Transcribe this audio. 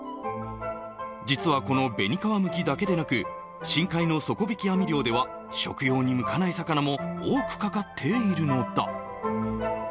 実はこのベニカワムキだけでなく、深海の底引き網漁では、食用に向かない魚も多く掛かっているのだ。